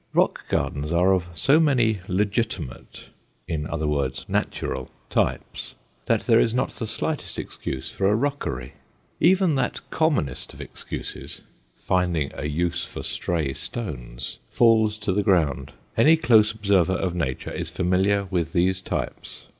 Rock gardens are of so many legitimate in other words, natural types, that there is not the slightest excuse for a rockery. Even that commonest of excuses, finding a use for stray stones, falls to the ground. Any close observer of nature is familiar with these types.